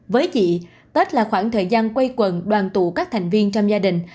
với chị tết là khoảng thời gian quây quần đoàn tụ các thành viên trong gia đình